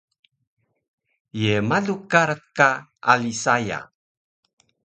Ye malu karac ka ali saya?